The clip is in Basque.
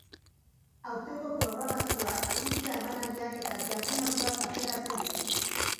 Aurtengo programazioak, musika emanaldiak eta jardunaldi bat tartekatzen ditu.